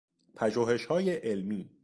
پژوهشهای علمی